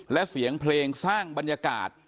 และเสียงเพลงสร้างบรรยากาศ